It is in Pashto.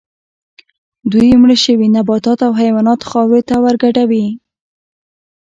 دوی مړه شوي نباتات او حیوانات خاورې ته ورګډوي